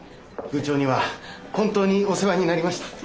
部長には本当にお世話になりました。